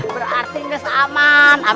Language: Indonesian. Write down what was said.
berarti kamu ada di mana